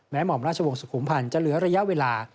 หม่อมราชวงศ์สุขุมพันธ์จะเหลือระยะเวลา